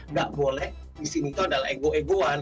nggak boleh di sini itu adalah ego egoan